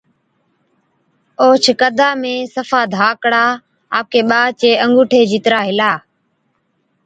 اوهچ قدا ۾ صفا ڌاڪڙا، آپڪي ٻا چي انگُوٽي جِترا هِلا۔